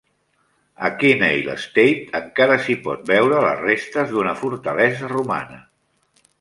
A Kinneil Estate encara s'hi pot veure les restes d'una fortalesa romana.